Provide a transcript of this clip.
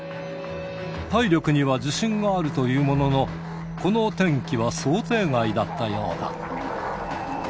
体力には自信があるというものの、この天気は想定外だったようだ。